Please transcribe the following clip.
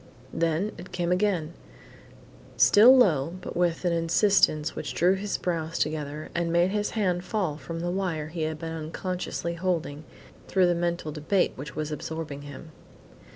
Then it came again, still low but with an insistence which drew his brows together and made his hand fall from the wire he had been unconsciously holding through the mental debate which was absorbing him.